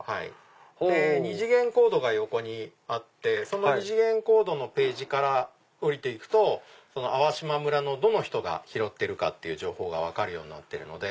二次元コードが横にあってその二次元コードのページからおりて行くと粟島村のどの人が拾ってるかって情報が分かるようになってるので。